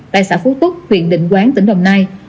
tại xã phú túc huyện định quán tỉnh đồng nai